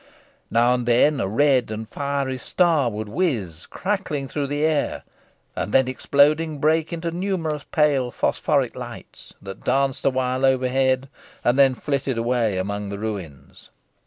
Now and then a red and fiery star would whiz crackling through the air, and then exploding break into numerous pale phosphoric lights, that danced awhile overhead, and then flitted away among the ruins.